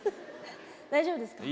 大丈夫ですか？